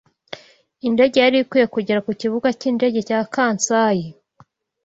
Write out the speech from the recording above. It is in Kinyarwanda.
Indege yari ikwiye kugera ku Kibuga cyindege cya Kansai.